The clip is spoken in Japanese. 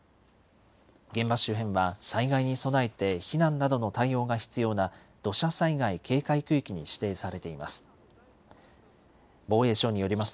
現場周辺は災害に備えて避難などの対応が必要な土砂災害警戒区域に指定されています。